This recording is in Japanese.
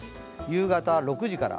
夕方６時から。